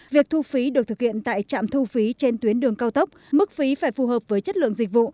việc thu phí được thực hiện tại trạm thu phí trên tuyến đường cao tốc mức phí phải phù hợp với chất lượng dịch vụ